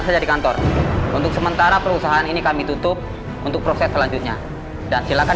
saja di kantor untuk sementara perusahaan ini kami tutup untuk proses selanjutnya dan silakan